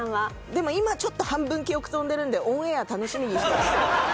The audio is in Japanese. でも今ちょっと半分記憶飛んでるんでオンエア楽しみにしてます。